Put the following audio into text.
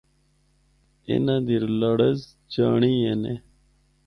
انہاں دی لڑز جانڑی ای نے۔